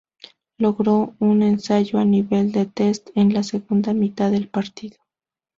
Logró un ensayo a nivel de test en la segunda mitad del partido.